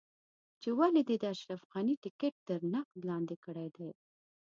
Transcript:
چې ولې دې د اشرف غني ټکټ تر نقد لاندې کړی دی.